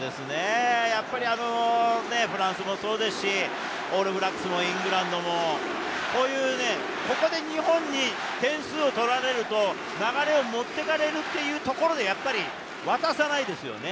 やはりフランスもそうですし、オールブラックスもイングランドもここで日本に点を取られると流れを持っていかれるっていうところで渡さないですよね。